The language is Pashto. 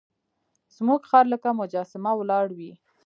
زموږ خر لکه مجسمه ولاړ وي.